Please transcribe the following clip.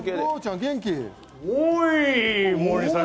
元気？